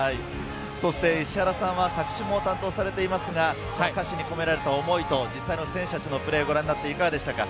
石原さんは作詞も担当されていますが歌詞に込められた思いと実際の選手たちのプレー、ご覧になっていかがでしたか？